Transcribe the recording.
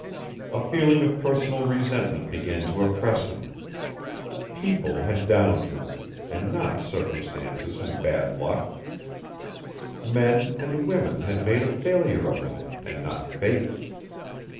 A feeling of personal resentment began to oppress him. People had downed him, and not circumstance and bad luck. Men and women had made a failure of him, and not fate.